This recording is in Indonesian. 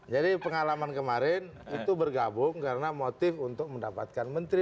jadi pengalaman kemarin itu bergabung karena motif untuk mendapatkan menteri